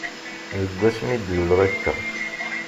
Deg wasmi d-luleɣ akka.